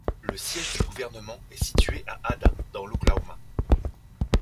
Le siège du gouvernement est situé à Ada dans l'Oklahoma.